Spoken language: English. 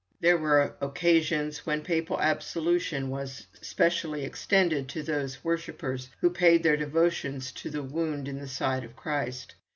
There were occasions when papal absolution was specially extended to those worshippers who paid their devotions to the wound in the side of Christ.